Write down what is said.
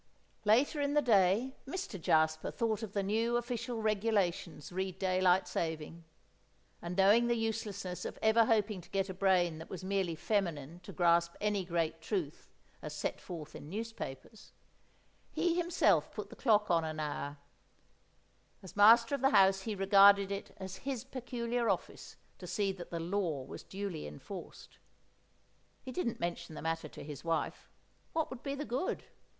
Later in the day Mr. Jasper thought of the new official regulations re Daylight Saving; and knowing the uselessness of ever hoping to get a brain that was merely feminine to grasp any great truth as set forth in newspapers, he himself put the clock on an hour; as master of the house he regarded it as his peculiar office to see that the law was duly enforced. He didn't mention the matter to his wife; what would be the good?